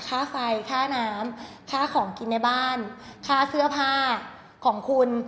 ค่าไฟค่าน้ำค่าของกินในบ้านค่าเสื้อผ้าของคุณ